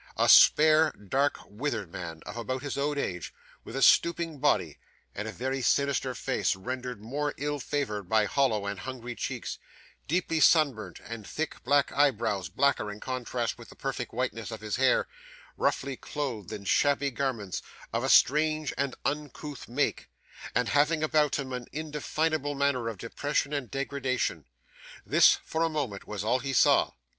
A spare, dark, withered man, of about his own age, with a stooping body, and a very sinister face rendered more ill favoured by hollow and hungry cheeks, deeply sunburnt, and thick black eyebrows, blacker in contrast with the perfect whiteness of his hair; roughly clothed in shabby garments, of a strange and uncouth make; and having about him an indefinable manner of depression and degradation this, for a moment, was all he saw.